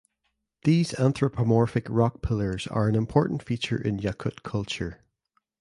These anthropomorphic rock pillars are an important feature in Yakut culture.